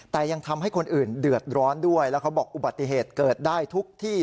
แต่ยังทำให้คนอื่นเดือดร้อนด้วยแล้วเขาบอกอุบัติเหตุเกิดได้ทุกที่